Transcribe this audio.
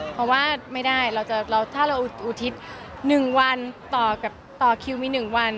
เพราะว่าไม่ได้ถ้าเราอุทิศ๑วันต่อคิวมี๑วัน